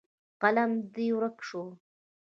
قلم دې ورک شو.